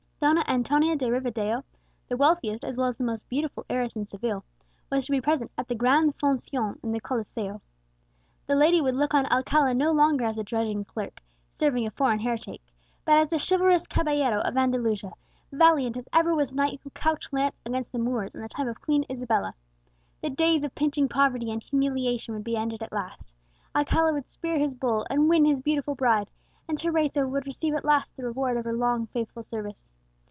Donna Antonia de Rivadeo, the wealthiest as well as the most beautiful heiress in Seville, was to be present at the gran foncion in the Coliseo. The lady would look on Alcala no longer as the drudging clerk, serving a foreign heretic, but as the chivalrous caballero of Andalusia, valiant as ever was knight who couched lance against the Moors in the time of Queen Isabella. The days of pinching poverty and humiliation would be ended at last; Alcala would spear his bull, and win his beautiful bride, and Teresa would receive at last the reward of her long faithful service.